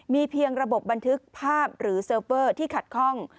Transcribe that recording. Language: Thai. มีเพียงระบบบันทึกภาพหรือเซิร์ฟเวอร์ที่ขัดข้อง